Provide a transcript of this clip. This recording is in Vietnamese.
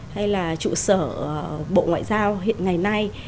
hay là trụ sở bộ ngoại giao hiện ngày nay